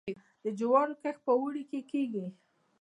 د جوارو کښت په اوړي کې کیږي.